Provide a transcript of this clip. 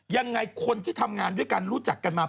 ยังไงคนที่ทำงานด้วยกันรู้จักกันมา